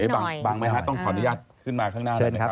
บางไม่ฮะต้องขออนุญาตขึ้นมาข้างหน้า